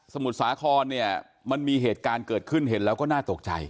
มุทรสาครเนี่ยมันมีเหตุการณ์เกิดขึ้นเห็นแล้วก็น่าตกใจ